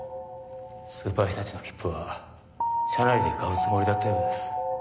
スーパーひたちのきっぷは車内で買うつもりだったようです。